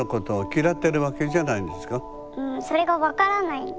うんそれが分からないんです。